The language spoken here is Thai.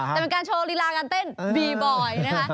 แต่เป็นการโชว์ลีลาการเต้นบีบอยนะคะ